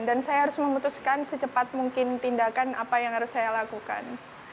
dan saya harus memutuskan secepat mungkin tindakan apa yang harus saya lakukan